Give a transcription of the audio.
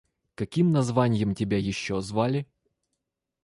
Каким названьем тебя еще звали?